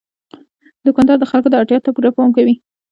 دوکاندار د خلکو اړتیا ته پوره پام کوي.